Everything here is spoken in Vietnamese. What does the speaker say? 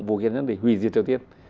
vô gian nhân để hủy diệt triều thiết